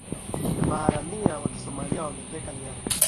maharamia wa kisomalia wameteka nyara